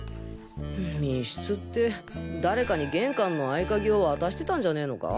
密室って誰かに玄関の合い鍵を渡してたんじゃねぇのか？